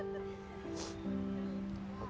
peningkatan triple gold